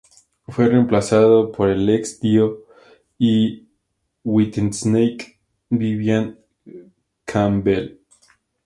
Fue reemplazado por el ex-Dio y Whitesnake Vivian Campbell.